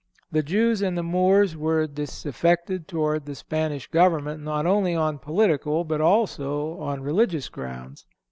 The Jews and the Moors were disaffected toward the Spanish government not only on political, but also on religious grounds.